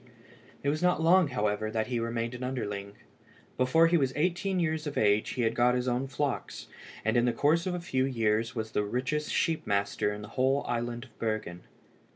It was not long, however, that he remained an underling. Before he was eighteen years of age he had got his own flocks, and in the course of a few years was the richest sheep master in the whole island of Bergen.